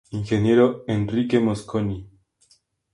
Ingeniero Enrique Mosconi.